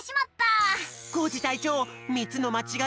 コージたいちょう３つのまちがいはみつかった？